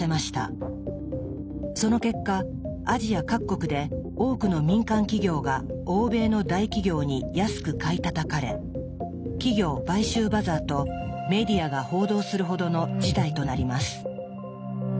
その結果アジア各国で多くの民間企業が欧米の大企業に安く買いたたかれ「企業買収バザー」とメディアが報道するほどの事態となります。